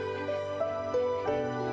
ya tuhan kami berdoa